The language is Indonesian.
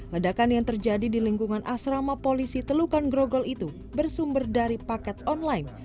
ledakan yang terjadi di lingkungan asrama polisi telukan grogol itu bersumber dari paket online